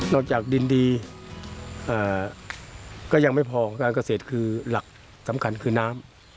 จากดินดีก็ยังไม่พอการเกษตรคือหลักสำคัญคือน้ำ